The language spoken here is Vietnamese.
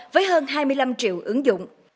với hơn hai mươi năm triệu ứng dụng